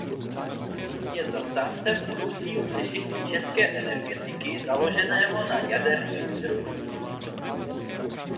Je zastáncem budoucího řešení české energetiky založeného na jaderných zdrojích.